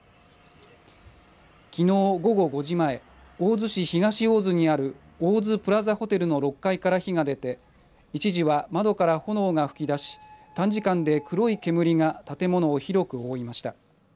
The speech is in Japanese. きのう午後５時前大洲市東大洲にあるオオズプラザホテルの６階から火が出て一時は窓から炎が噴き出し短時間で黒い煙が建物を広く覆いました。